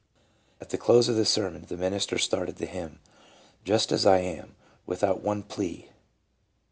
At the close of the sermon the minister started the hymn, " Just as I am, without one plea."